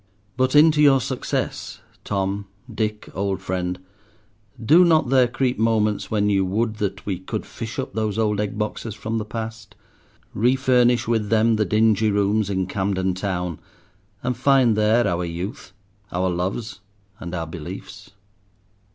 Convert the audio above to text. But into your success, Tom—Dick, old friend, do not there creep moments when you would that we could fish up those old egg boxes from the past, refurnish with them the dingy rooms in Camden Town, and find there our youth, our loves, and our beliefs?